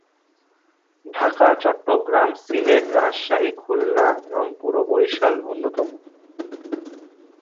ঢাকা, চট্টগ্রাম, সিলেট, রাজশাহী, খুলনা, রংপুর ও বরিশাল অন্যতম।